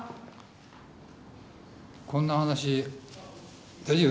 こんな話大丈夫？